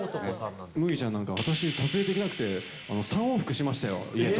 麦ちゃんなんか、私、撮影できなくて３往復しましたよ、家と。